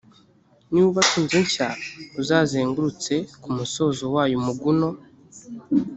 niwubaka inzu nshya, uzazengurutse ku musozo wayo umuguno